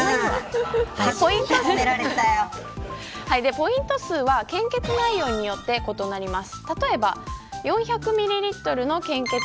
ポイント数は献血内容によって異なります。